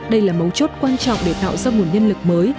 đây là mấu chốt quan trọng để tạo ra nguồn nhân lực mới